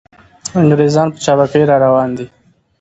انګریزان په چابکۍ را روان دي.